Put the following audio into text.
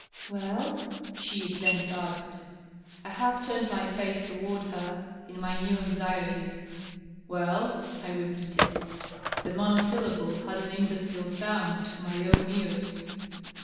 " Well ?" she at length asked. I half turned my face toward her, in my new anxieiy. " Well ?" I repeated. The monosyllable had an imbecile sound to my own ears.